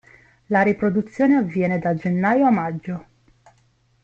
La riproduzione avviene da gennaio a maggio.